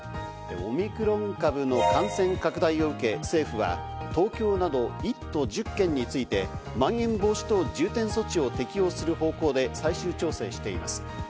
オミクロン株の感染拡大を受け政府は東京など１都１０県について、まん延防止等重点措置を適用する方向で最終調整しています。